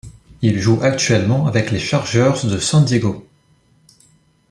Il joue actuellement avec les Chargers de San Diego.